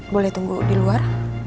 boleh tunggu di luar